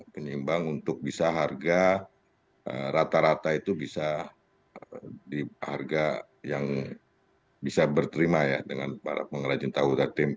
penyeimbang untuk bisa harga rata rata itu bisa di harga yang bisa berterima ya dengan para pengrajin tahu tertim